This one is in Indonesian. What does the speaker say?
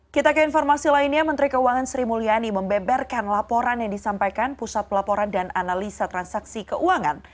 kita ke informasi lainnya menteri keuangan sri mulyani membeberkan laporan yang disampaikan pusat pelaporan dan analisa transaksi keuangan